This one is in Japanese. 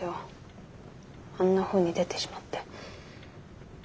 あんなふうに出てしまって。